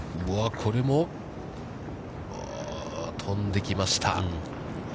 これも飛んできました。